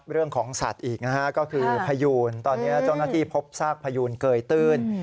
เรื่องของสัตว์อีกนะฮะก็คือพยูนตอนนี้เจ้าหน้าที่พบซากพยูนเกยตื้น